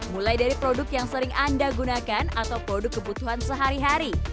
mulai dari produk yang sering anda gunakan atau produk kebutuhan sehari hari